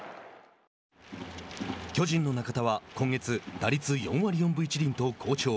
巨人の中田は今月打率４割４分１厘と好調。